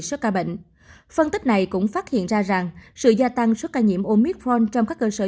số ca bệnh phân tích này cũng phát hiện ra rằng sự gia tăng số ca nhiễm omith vold trong các cơ sở